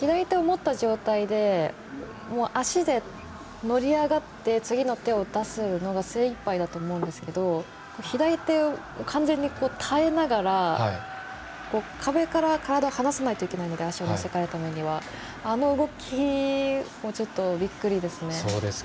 左手を持った状態で足で乗り上がって次の手を出すのが精いっぱいだと思うんですけど左手を完全に耐えながら壁から完全に足を乗せかえるためにはあの動き、すごくびっくりですね。